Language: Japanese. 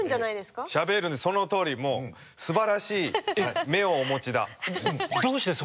そのとおりもうすばらしい目をお持ちだ。